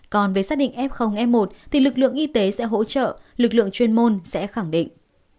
còn với xác định f f một thì lực lượng y tế sẽ hỗ trợ lực lượng chuyên môn sẽ khẳng định